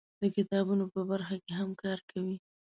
د کتابونو په برخه کې هم کار کوي.